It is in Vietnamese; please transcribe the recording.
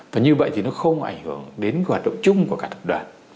và như vậy thì nó không ảnh hưởng đến hoạt động chung của cả tập đoàn